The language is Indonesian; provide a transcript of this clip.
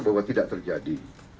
bahwa tidak terjadi